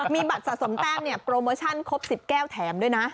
มีบัตรสะสมแต้มโปรโมชั่นครบ๑๐แก้วแถมด้วยนะ